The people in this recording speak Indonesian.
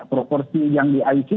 proporsi yang di icu